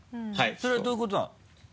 それはどういうことなの？